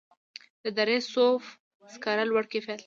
د دره صوف سکاره لوړ کیفیت لري